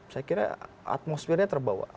saya kira atmosfernya terbawa